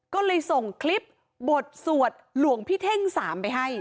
ก็เลยส่งคลิปบทสวดหลวงพี่เท่ง๓ไปให้